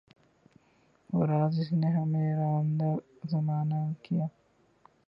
وہ راز جس نے ہمیں راندۂ زمانہ کیا